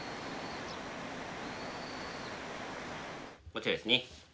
こちらですね。